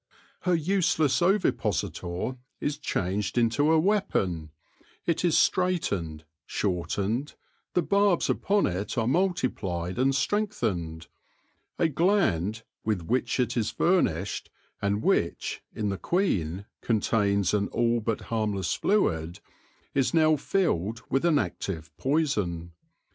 Her useless ovipositor is changed into a weapon : it is straightened, shortened ; the barbs upon it are multiplied and strengthened ; a gland, with which it is furnished, and which, in the queen, contains an all but harmless fluid, is now filled with an active poison.